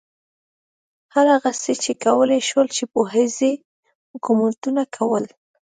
هر هغه څه یې کولای شول چې پوځي حکومتونو کول.